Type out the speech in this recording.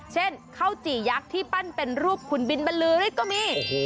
เช่นข้าวจี่ยักษ์ที่ปั้นเป็นรูปคุณบินบรรลือฤทธิ์ก็มี